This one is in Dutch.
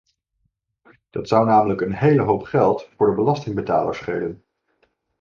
Dat zou namelijk een hele hoop geld voor de belastingbetaler schelen.